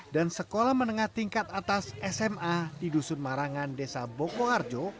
dan sekolah menengah tingkat atas sma di dusun marangan desa boko harjo